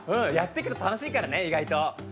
やってくと楽しいからね意外と。